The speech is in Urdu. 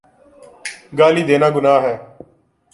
گالی دینا گناہ ہے۔